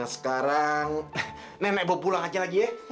sekarang nenek mau pulang aja lagi ya